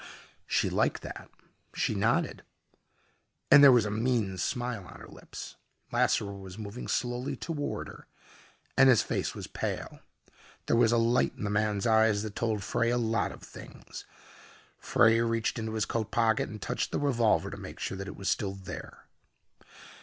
She liked that. She nodded. And there was a mean smile on her lips. Lasseroe was moving slowly toward her, and his face was pale. There was a light in the man's eyes that told Frey a lot of things. Frey reached into his coat pocket and touched the revolver to make sure that it was still there.